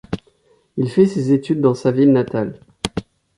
Il fait ses études dans sa ville natale.